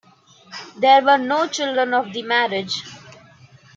There were no children of the marriage.